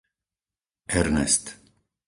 Ernest